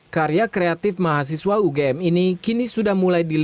karya kreatif mahasiswa ugm ini kini sudah mulai dilakukan